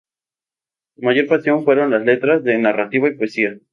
Su mayor pasión fueron las letras, de narrativa y poesía.